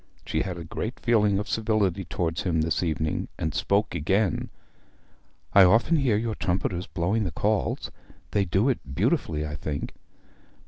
She had a great feeling of civility toward him this evening, and spoke again. 'I often hear your trumpeters blowing the calls. They do it beautifully, I think.'